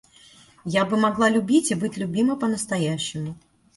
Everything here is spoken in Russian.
Я бы могла любить и быть любима по-настоящему.